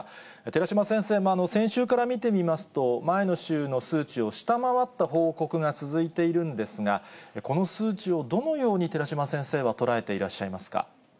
寺嶋先生、先週から見てみますと、前の週の数値を下回った報告が続いているんですが、この数値をどのように、寺嶋先生は捉えていらっしゃいますか。